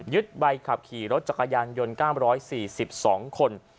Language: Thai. ใบขับขี่รถจักรยานยนต์๙๔๒คน